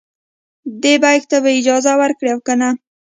دې بیک ته به اجازه ورکړي او کنه.